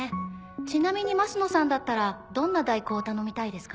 ちなみに升野さんだったらどんな代行を頼みたいですか？